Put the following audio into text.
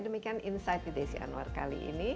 demikian insight with desi anwar kali ini